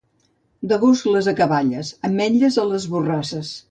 D'agost les acaballes, ametlles a les borrasses.